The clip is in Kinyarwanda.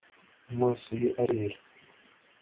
amaso ye arera